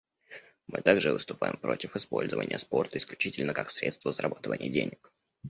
Мы также выступаем против использования спорта исключительно как средства зарабатывания денег.